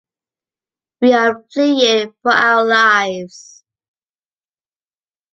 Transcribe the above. We are fleeing for our lives.